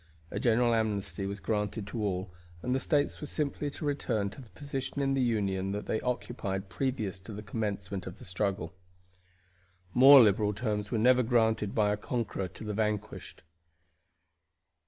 A general amnesty was granted to all, and the States were simply to return to the position in the Union that they occupied previous to the commencement of the struggle. More liberal terms were never granted by a conqueror to the vanquished.